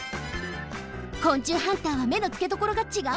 昆虫ハンターはめのつけどころがちがうのね。